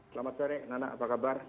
selamat sore nana apa kabar